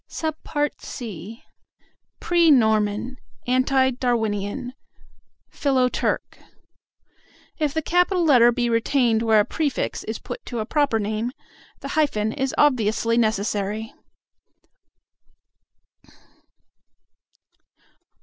(c) "Pre Norman," "anti Darwinian," "philo Turk." If the capital letter be retained where a prefix is put to a proper name, the hyphen is obviously necessary.